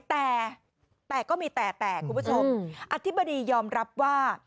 แต่แต่ก็มีแต่แต่คุณผู้ชมอธิบดียอมรับว่า